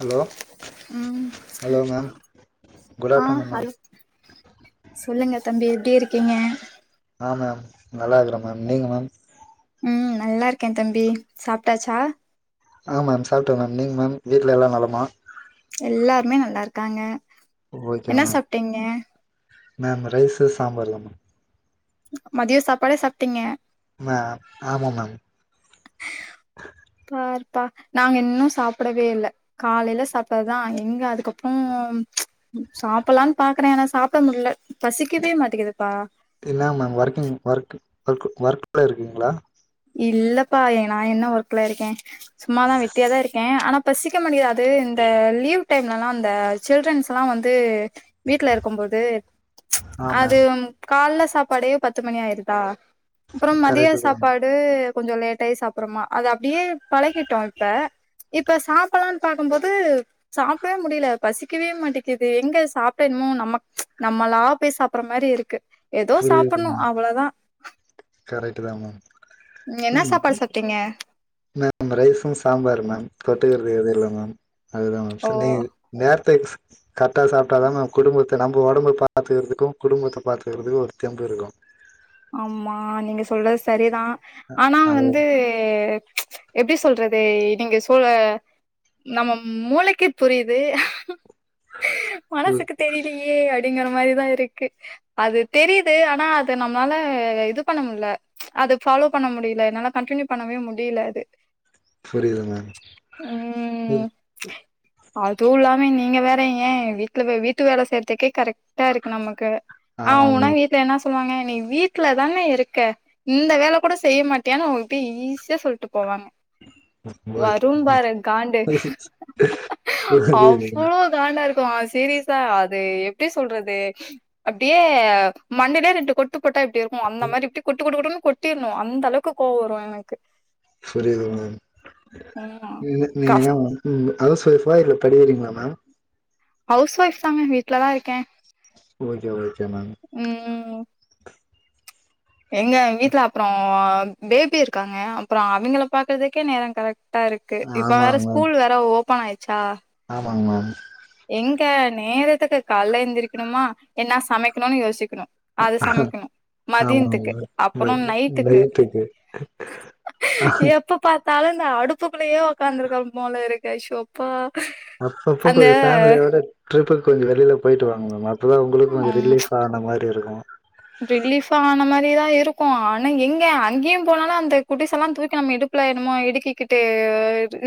Hello ம் hello ma'am good ah afternoon ma'am hello சொல்லுங்க தம்பி எப்படி இருக்கீங்க ஆ மேம் நல்லாருக்றே மேம் நீங்க மேம் நல்லாருக்கே தம்பி சாப்ட்டாச்சா ஆ மேம் சாப்ட்டே மேம் நீங்க மேம் வீட்ல எல்லா நலமா எல்லாருமே நல்லாருக்காங்க ஓகே என்ன மேம் சாப்ட்டீங்க மேம் ரைஷூ சாம்பார் தா மேம் மதியம் சாப்பாடே சாப்ட்டீங்க ஆ ஆமா மேம் ப்பா நாங்க இன்னு சாப்டவே இல்ல காலைல சாப்ட்டதுதா எங்க அதுக்கப்ற சாப்லானு பாக்குறே ஆனா சாப்ட முல்ல பசிக்கவே மாட்டேங்கிதுப்பா என்ன மேம் ஒர்கிங் ஒர்க ஒர்க ஒர்க்ல இருக்கீங்ளா இல்லப்பா ஏ நா என்ன ஒர்க்ல இருக்கே சும்மாதா வெட்டியா தா இருக்கே ஆனா பசிக்க மாட்டிது அது இந்த லீவ் டைம்லலா இந்த சில்ட்ரன்ஸ்லா வந்து வீட்ல இருக்கும்போது ஆ அது மேம் கால்ல சாப்பாடே பத்து மணி ஆயிருதா கரெக்டு தா து கொஞ்சோ லேட்டாயி சாப்புட்றோமா அது அப்டியே பழகிட்டோ இப்ப இப்ப சாப்பட்லானு பாக்கும்போது சாப்டவே முடில பசிக்கவே மாட்டேக்கிது எங்க சாப்ட என்னுமோ நம்ம நம்மளா போய் சாப்படுற மாரிருக்கு எதோ சாப்புட்ணு அவ்ளதா கரெக்ட் தா என்ன மேம் சாப்பாடு சாப்ட்டீங்க மேம் ரைசு சாம்பாரு மேம் தொட்டுக்க வே வே இல்ல மேம் அதுதா மேம் [unintelligible] ஓ நீங்க நேரத் கரெட்டா சாப்ட்டாதா மேம் குடும்பத்த நம்ம ஒடம்ப பாத்துக்கறதுக்கு குடும்பத்த பாத்துக்கறதுக்கு ஒரு தெம்புருக்கு ஆமா நீங்க சொல்றது சரிதா ஆனா வந்து அது எப்டி சொல்றது நீங்க சொ நம்ம மூளைக்கு புரியுது மனசுக்கு தெரிலியே அ அப்டிங்கற மாரி தா இருக்கு அது தெரிது ஆனா அது நம் மால இது பண்ண முல்ல அது ஃபாலோ பண்ண முடில என்னால கண்டினியூ பண்ணவே முடில அது புரிது மேம் அதும் இல்லாம நீங்க வேற ஏன் வீட்ல வீட்டு வேல செய்றதுக்கே கரெக்ட் டா இருக்கு நமக்கு ஆ ஆமா உனா மேம் வீட்ல என்னா சொல் சொல்வாங்க நீ வீட்ல தான இருக்க இந்த வேல கூட செய்ய மாட்டியானு அவங்க அப்டியே ஈஸியா சொல்ட்டு போய் போவாங்க ஓகே வரும் பாரு காண்டு புரியுது மேம் அவ்ளோ காண்டாருக்கு சீரியஸா அது எப்டி சொல்றது அப்டியே மண்டில ரெண்டு கொட்ட போட்டா எப்படி இருக்கூ அந்த மாதிரி எப்படி குட்டு குட்டுனு கொட்டிரணு அந்த அளவுக்கு கோவோ வரும் எனக்கு புரியிது ம் கஷ் மேம் ஹவுஸ் வைஃபா இல்ல படிக்கிறீங்ளா மேம் ஹவுஸ் ஒயஃப் தாங்க வீட்லதா இருக்கே ஓகே ஓகே ஓகே மேம் ம் எங்க வீட்டுல அப்பறோ பேபி இருக்காங்க அப்பறோ அவேங்கள பாக்குறதுக்கே நேரோ கரெக்ட் இருக்கு இப்ப வேற ஆமாங்க ஸ்கூல் வேற ஓப் ஓபன் ஆயிச்சா வாங்கா மே எங்க நேரத்துக்கு கல்ல எழுந்திரிக்கணுமா என்ன சமைக்கணும்னு யோசிக்கணு அது சமைக்கணு ஆமாங்க மதியத்துக்கு மேம் அப்பறோ பட் நைட்டுக்கு எப்ப பா தலோந்த அடுப்புக்குள்ளயே உடக்காந்துருக்க போல இருக்கு ஐஷோ அப்பா அப்பப்போ ஒரு ஃபேமிலியோட ட்ரிப் கொஞ்சோ வெளில போயிட்டு வாங்க மேம் உங்களுக்கு கொஞ்சோ ம் ரிலீஃப் ஆனா மாரி இருக்கூ தா இருக்கூ ஆனா எங்க அங்கேயு போனாலு அந்த குட்டிச எல்லா தூக்கி நம்ம இடுப்புல என்னமோ இடுக்கிக்கிட்டு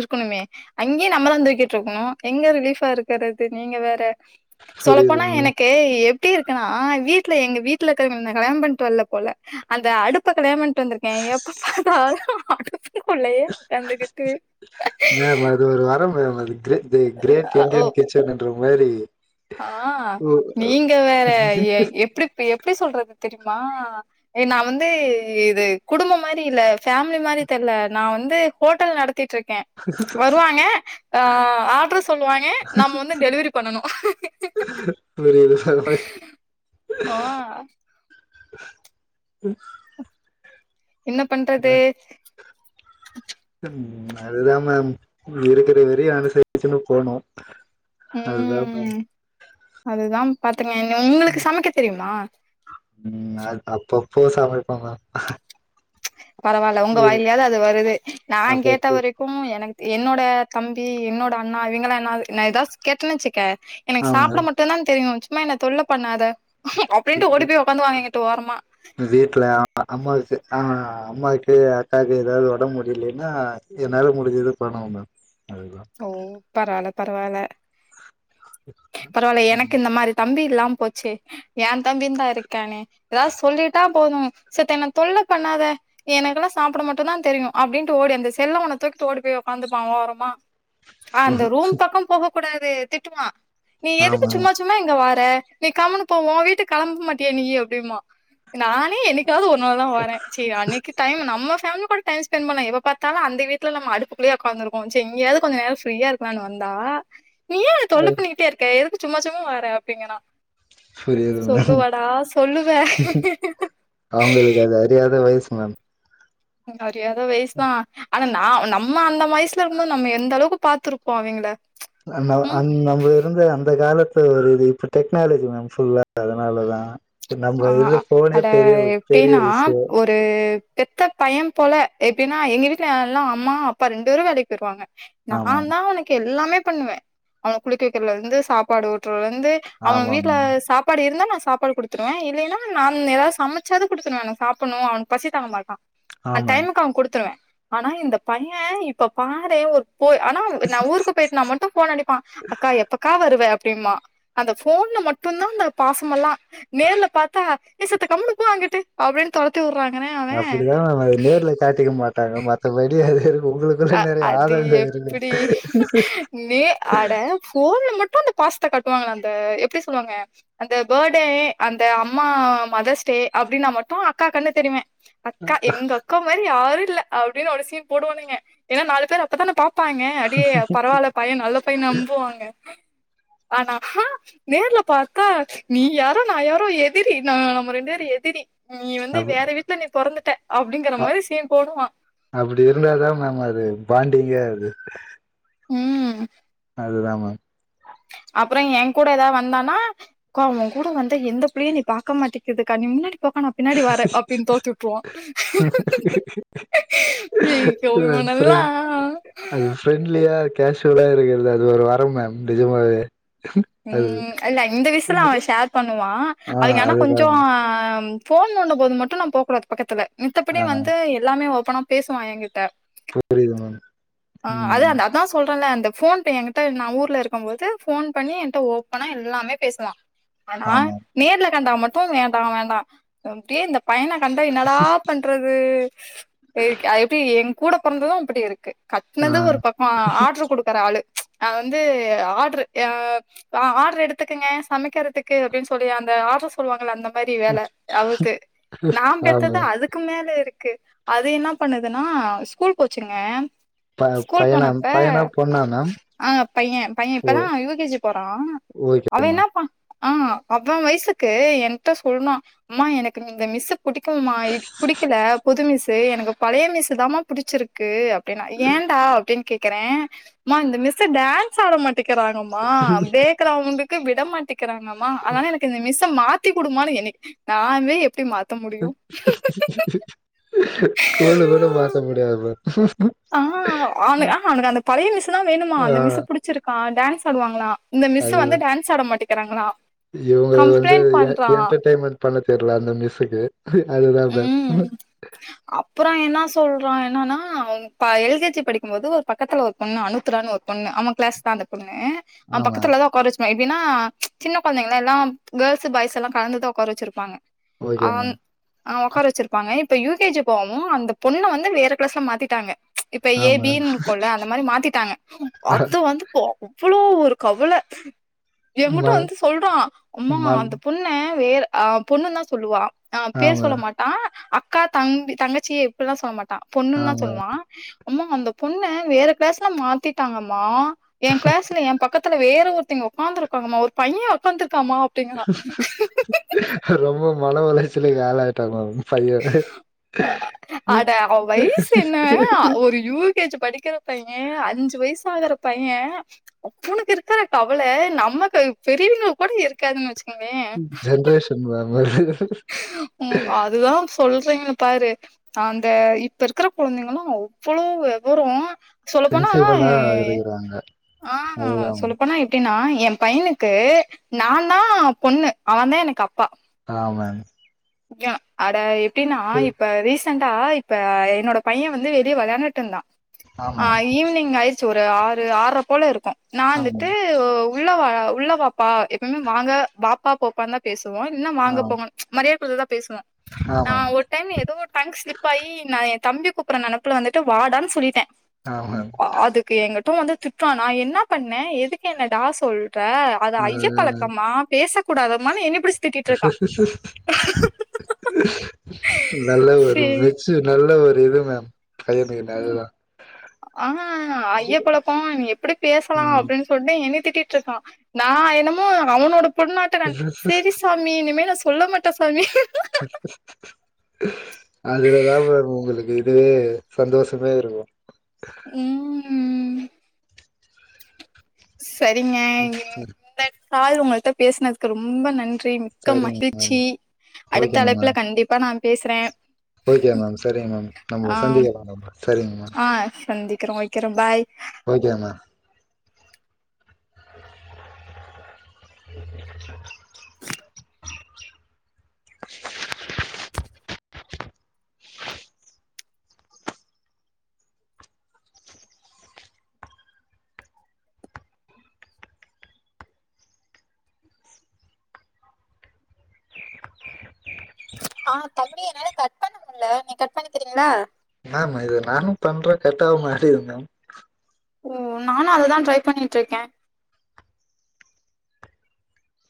இருக்கணுமே அங்கேயு நம்மதா தூக்கிட்ருக்கணு எங்க ரிலீஃபா இருக்குறது நீங்க வேற புரியுது சொல்லப்போனா மேம் எனக்கு இருக்கனா வீட்ல எங்க வீட் லருக்கறவங்களா கல்யாணம்பன்டு வரல போல அந்த அடுப்ப கலயணாம்பன்ட் ட்டு வந்திருக்கே எப்ப பாத்தாலு அடுப்புக்குள்ளேயே உக்காந்துகிட்டு மேம் அது ஒரு வரம் மேம் அது கிர தி கிரேட் அ ஓ இண்டியன் கிச்சன் என்று வேரி ஆ நீங்க வேற எப் எப்டிப் எப்டி சொல்றது தெரிமா நான் வந்து இது குடும்ப மாரி இல்ல ஃபேமிலி மாரி தெர்ல நான் வந்து ஹோட்டல் நடத்திட்டு இருக் க்கே வருவாங்க ஆ ஆர்டர் சொல்லுவாங்க நம்ம வந்து டெலிவரி பண்ணனு புரிய சர்வய் ஆ ம் என்ன பண்றது ம் அதுதா மேம் இருக்கிற வெரி அனுசரிச்சன்னு போனு அதுதா மேம் ம் அதுதா பத் [unintelligible] உங்களுக்கு சமைக்க தெரியுமா ப்போ சமைப்ப மேம் பரவால்ல உங்க ம் வாய்லையாவ்து அது வருதே நா கேட்ட அப்பப்போ வரைக்கு எனக் என்னோ ட தம்பி என்னோட அண்ணா இவிங்கல்லா என்னாது நா ஏதாஸ் கேட்டனு வெச்சுக்க ஆ எனக் சாப்ட மேம் மட்டுந்தா தெரியு ச் ம்மா என்ன தொல்ல பண்ணாத அப்டின்ட்டு ஓடி போய் உக்காந்துவாங்க எங்கிட்ட ஓரமா வீட்ல அம்மா வச்சு ஆ அம்மாக்கு அக்காக்கு எதாவது ஒடம்பு முடிலீன்னா என்னால முடிஞ்சது பண்ணுவ மேம் அதுதா ஸோ பரவால பரவால பரவால்ல எனக்கு இந்த மாரி தம்பி இல்லாம போச்சே ஏ தம்பிந்தா இருக்கானே எதாவது சொல்லிட்டா போது செத்த என்ன தொல்ல பண்ணாத எனக்குலா சாப்பட மட்டுந்தா தெரியு அப்டின்ட்டு ஓடி அந்த செல்ல ஒன்ன தூக்கிட்டு ஓடி போய் ஒக்காந்துப்பா ஓரமா ஆ அந்த ரூம் பக்கம் போக குடாது திட்டுமா நீ எதுக்கு ஆமா மேம். சும்மா சும்மா இங்க வா த்த நீ கம்முனு போ வோ வீட்டு கெளம்ப மாட்டிய நீயி அப்டிம்பா நானே என்னிக் காவது ஒரு நாள் தா வரே செரி அன்னைக்கு டைம் நம்ம பேமிலி கூட டைம் ஸ்பெண்ட் பண்ண எப்ப பாத்தாலு அந்த வீட்ல நம் அடுப்புக்குள்ளே ஒக்காந்துருக்கோ சே இங்கயாது கொஞ்ச நேரோ ஃப்ரீயா இருக்கலான்னு வந்தா நீ ஏ என்ன தொல்ல அது பண்ணிகிட்டே இருக்க எதுக் சும்மா சும்மா வார அப்படிங்கறா புரியுதுங்க அவங்களுக்கு அது அறியாத வயசு ங்க [unintelligible] [unintelligible] ஆனா நா நம்ம அந்த வைஸ்ல இருக்கம்போது நம்ம எந்தளவுக்கு பாத்ருப்போ அவிங்கள அ ந ம் அன் நம்ம இருந்த அந்த கால த்து ஒரு இது இப்ப டெக்னாலஜி மேம் ஃபுல்லா அதுனாலதா ஆ அட பெரிய எப்டின்னா விஷயோ ஒரு பெத்த டயம் போல எப்டின்னா எங்க வீட்ல எல்லா அம்மா அப்பா ரெண்டு பேரு வேலைக் போய்ருவாங்க ஆமா நாந்தா அவனுக்கு எ ல்லாமே பண்ணுவே அவன குளிக்க வெக்கிறதுலேந்து சாப்பாடு ஊட்ற வந்து அவங்க ஆமா வீட்டுல மேம் சாப்பாடு இருந்தா சாப்பாடு கொடுத்து கொடுத்துருவேன் இல்லைன்னா நான் ஏதாவது சமைச்சாவது கொடுத்துருவேன் என சாப்பிடும் அவனு பசித்தாங்க மாட்டான் அ ஆமாம். டைமுக்கு அவன் குடுத்துருவேன் ஆனா இந்த பையன் இப்ப பாரு ஒரு போய் ஆனா நான் ஊருக்கு போயிட்டு நா மட்டும் போன் அடிப்பான் அக்கா எப்பக்கா வருவ அப்படியமா அந்த போன்ல மட்டும்தான் அந்த பாசம எல்லாம் நேர்ல பார்த்தா சத்த கம்முனு போ அங்கிட்ட அப்படின்னு துரத்தி விடுறேன் மத்த [unintelligible] அஹ் அது எப்படி நீ ஆடபோன்ல மட்டும் மும் அந்த பாஸ கட்டுவாங்கள அந்த எப்படி சொல்லுவாங்க அந்த பர்த்டே அந்த அம்மா மதர்ஸ்டே அப்படின்னா மட்டும் அக்கா கன்னுக்கு தெரியவேன் அக்கா எங்க அக்கா மாதிரி யாரும் இல்ல அப்டின்னு ஒரு சீன் போடுவானுங்க ஏன்னா நாலு பேர் அப்பதான பாப் பாங்க அப்டே பரவாயில்ல பையன் நல்ல பையன் நம்புவாங்க ஆனா நேர்ல பாத்தா நீ யாரோ நான் யாரோ எதிரி நான் நம்ம ரெண்டு நேரம் எதிரி நீ வந்து அப் வேற வீட்ல பொறந்துட்ட அப்டிங்கிற அ மாரி சீன் போடுவான் அப்படி இருந்தா தான் மேம் அது பாண்டிங்கே ஆகுது உம் அதுதான் மேம் அப்புறம் என் கூட எதா வந்தானா அக்கா ஓன் கூட வந்த எந்த பிள்ளையும் என்னிய பாக்க மாட்டிக்குதுக்கா நீ முன்னாடி போக்கா நா பின்னாடி வர அப்டின்னு தொரத்திட்டுருவான் வீகோ இவன் ஃப்ரெ நல்லா கேஷிவலா இருக்கிறது அது ஒரு வரம் மேம் நிஜமாவே அது ம் இல்ல இந்த விசிலான் அவன் ஷேர் பண்ணுவான் ஆ அதுங்க ஆனா அதுதான் கொஞ்சம் மேம். போன் நோண்டும்போது மட்டும் நான் போக்கூடாது பக்கத்துல மித்தபடி ஆ வந்து எல்லாமே ஓ ப்பனா பேசுவான் என்கிட்ட புரியுது மேம் ஆஹ் அது ம். அதான் சொல் றன் இல்ல அந்த போன்பே என்கிட்ட நான் ஊர்ல இருக்கும் போது போன் பண்ணி என்ட்ட ஓப்பனா எல்லாமே பேசுவான் ஆனா ஆமா. நேர்ல த வந்தா மட்டும் வேண்டாம் வேண்டாம் அப்டே இந்த பையன கண்டா என்னடா பண்றது எக் அது எப்படி எங் கூட பொறந்தது அப்டி இருக்கு ஆ கட்னது ஒரு பக்கோ ஆட்ரு குடுக்கற ஆளு அ வந்து ஆட்ரு ஏ ஆ ஆட்ரு எடுத்துக்குங்க சமைக்கறதுக்கு அப்டின் சொல்லி அந்த ஆட்ரு சொல்லுவாங்கல்ல அந்தம் பாதி வேல அவுருக்கு நா ஆமா. பெத்தது அதுக்கு மேல இருக்கு அது என்ன பண்ணு துனா ஸ்கூல் போச்சுங்க ப ஸ்கூல் பையனா போனப்ப பையனா? பொண்ணா மேம்? ஆங்க பைய பைய ஓ இப்பதா யூ கே ஜி போறா ஓகே அவ என்ன மேம். ப ஆஹ் அவ வயசுக்கு எங்க்ட்ட சொல்னா அம்மா எனக்கு இந்த மிஸ்ஸு புடிக்கல்மா இது புடிக்கல புது மிஸ்ஸு எனக்கு பழைய மிஸ்ஸு தாம்மா புடிச்சிருக்கு அப்டின் ஏண்டா அப்டின் கேக் க்றே மா இந்த மிஸ்ஸு டேன்ஸ் ஆட மாட் டிக்கிறாங்கம்மா [unintelligible] அவ வந்து கு விட மாட்டி கிறாங்கம்மா அதனால எனக்கு இந்த மிஸ்ஸ மாத் தந்தி குடுமானு எனு நானு எப்டி மாத் ஸ்கூலு கூட மாத்த முடியாதமே ஆஹ் அவுனு ஆஹா அவுனுக்கு அந்த பழைய மிஸ்சுத வேணுமா ஆ அந்த மிஸ்சு புடிச்சிருக்கா டான்ஸ் ஆடுவாங்ளா இந்த மிஸ்சு வந்து டான்ஸ் ஆட மாட்டி கிறாங்களா இவுங்க வந்து எ எண்டர்டெய்மென்ட் பண்ண தெர்ல அந்த மிஸ்சுக்கு உம் அப்பறோ என்ன சொல் றா என்னானா அவுங் ப எல் கே ஜி படிக்கும்போது ஒரு பக்கத்தல ஒரு பொண்ணு அனுத்ரான் ஒரு பொண்ணு அவ கிளாஸ் தா அந்த பொண்ணு எ அவ ஆமா பக்கத்துல தா உக்கார வெச்சுப்பா எ ப்டின்னா சின்ன கொழந்தைங்கள்ல எல்லா கேள்ஸு பாய்ஸு எல்லா கலந்துதா ஒக்கார வெச்சிருப்பாங்க ஒகே மேம் ஆஹ் ஒக்கார வெச்சிருப்பாங்க இப்ப யு கே ஜி போவு அந்த பொண்ண வந்து வேற கிளாஸ்ல மாத்திட்டாங்க இப்ப ஏ ஆமா பீ ன் இருக்குல்ல அந்த மாரி மாத்திட்டாங்க அத வந்து அவ்வளோ ஒ கவல எங்கிட்ட ம வந்து சொல்றா அம்மா மன் அந்த பொண்ண பேர் அஹ் பொண்ணுன் தா சொல்லுவா ஆ பேர் சொல்ல மேம் மாட்டா அ க்கா தம்பி தங்கச்சிய இப்புல்லா சொல் மா டா ஆ பொண்ணுன்தா மேம் சொல்வா அம்மா அந்த பொண்ணே வேற கிளாஸ்ல மாத்திட்டாங்கம்மா எ கிளாஸ்ல எ பக்கத் ல வேற ஒருத்தைங்க உட்காந்துருக்காங்கமா ஒரு பைய உட்காந்துரு ரொம்ப மன உளைைச் சிலக்கு ஆள் ஆயிட்டாகளாகு பைய னு அட அவ வயசு என்ன ஒரு யூ கே ஜி படிக்கிற பைய அஞ்சு வயசா ஆகுற பைய அவனுக்கு இருக்கிற கவல நமக்கு பெரியவங்க கூட இருக்காதுன்னு வச்சு ஜென்ரேஷன் வேற மாரி இருக் உ அதுதா சொல்றீங்கள பாரு அந்த இப்ப இருக்கிற குழந்தைங்கள அவ்வளவு விவர சென்சிபளா இருக்குறாங்க அதுதா ஏனா என் பையனுக்கு நா தா பொண்ணு அவன் தா எனக்கு அப்பா ஆமாம் அட அப்படின்னா இப்ப ரிசெண்டா இப்ப என்னோட பையன் வந்து வெளிய விளையாண்டுட்டு இருந்தா ஆ மேம் ஆஹ் ஈவ்னிங் ஐஸ் ஒரு ஆறு ஆறர போல இருக்கும் நா ஆ வந்துட்டு மேம் உள்ள வா உள்ள வாப்பா எப்பவுமே வாங்க வாப்பா போப்பானு தா பேசு இன்னும் ஆ வாங்க போங்க மரியா [unintelligible] பேசுவோம் ஆ நா மேம் ஒரு டைம் ஏதோ டங் ஸ்லிப் ஆயி நா தம்பி கூப்புற நினைப்புல வந்துட்டு வாடா ன்னு சொல்லிட்டேன் ஆ மேம் அதுக்கு எங்க தும் வந்து திட்டுவான் நா என்ன பண்ணேன் எதுக்கு என்ன டா சொல் அது ஆ ஐய பழக்கமா பேச கூடாதது மா என்னைய ச சு [inaudible] நல்ல ஒரு ழ்ச்சி நல்ல ஒரு விவு மேம் பையனுக்கு அதுதா அ ஐயேபழக்கோம நீ எப்புடி பேசலா அப்டின் சொல்ட்டு என்னே திட்டிட்ருக்கா நா என்னமோ அவுனோட உள்ள நாட்ரன் ம் சரி சாமி இனிமேல் சொல்ல மாட்டே சுவாமி அதுலதா மேம் உங்களுக்கு இதுவே சந்தோஷமே இருக்கு உம் ஸ் சரிங்க இந்த கால் உங்கள்ட்ட பேசுனதுக்கு ரொம்ப நன் றி மிக்க சரிங்க மகிழ்ச்சி அடுத்த ஓகேங்க அழைப்புல மேம் கண்டிப்பா நா பேசுற ஓகே மேம் சரிங்க மேம் நம்ம சந்திக்கலா மேம் சரிங்க மேம் வைக்கிரோ வைக்கிரோ பாய் ஓகே மா ஆ தம்பி என்னால கட் பண்ண முடியல நீ கட் பண்ணிக்ரீங்களா மேம் இது நானு பண்ற கட்டாவமாட்டிது மேம் ஓ நானு அததான் ட்ரை பண்ணிட்டு இருக்கே